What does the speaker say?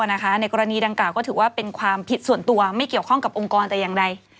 ในกรณีดังกล่าก็ถือว่าเป็นความผิดส่วนตัวไม่เกี่ยวข้องกับองค์กรแต่อย่างใด